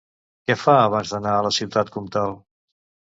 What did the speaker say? Què fa abans d'anar a la ciutat comtal?